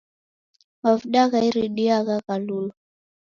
Mavuda gha iridia ghaghulwa